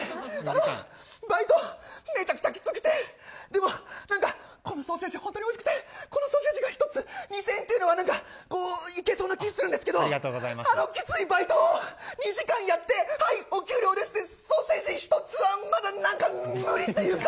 バイトめちゃくちゃ、きつくてでも、なんかこのソーセージ本当においしくてこのソーセージが１つ２０００円というのはいけそうな気がするんですけどあのきついバイトを２時間やってはい、お給料ですってソーセージ１つはまだ、何か無理というか。